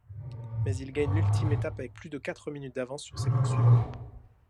Mais il gagne l'ultime étape avec plus de quatre minutes d'avance sur ses poursuivants.